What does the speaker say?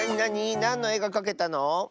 なんの「え」がかけたの？